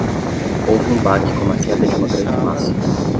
Houve um baque como a queda de uma grande massa.